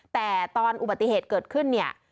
แต่ตอนอุบัติเหตุเกิดขึ้นเนี่ย